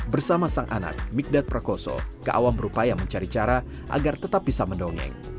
bersama sang anak migdad prakoso keawam berupaya mencari cara agar tetap bisa mendongeng